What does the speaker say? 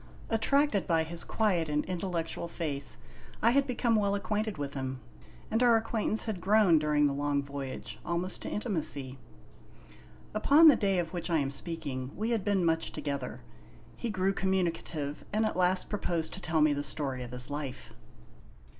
Attracted by his quiet and intellectual face, I had become well acquainted with him, and our acquaintance had grown, during the long voyage, almost to intimacy. Upon the day of which I am speaking we had been much together. He grew communicative, and at last proposed to tell me the story of his life.